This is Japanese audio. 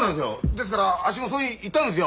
ですからあっしもそう言ったんですよ。